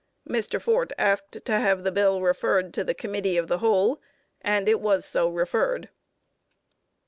Mr. Fort asked to have the bill referred to the Committee of the Whole, and it was so referred.